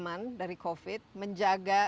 aman dari covid menjaga